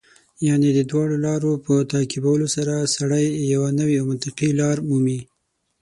یعنې د دواړو لارو په تعقیبولو سره سړی یوه نوې او منطقي لار مومي.